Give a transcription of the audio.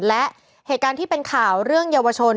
และเหตุการณ์ที่เป็นข่าวเรื่องเยาวชน